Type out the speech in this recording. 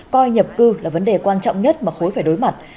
coi nhập cư là vấn đề quan trọng nhất mà khối phải đối mặt